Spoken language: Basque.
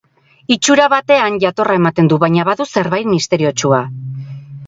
Itxura batean jatorra ematen du, baina badu zerbait misteriotsua.